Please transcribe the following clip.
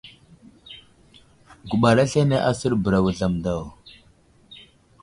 Guɓar aslane asər bəra Wuzlam daw.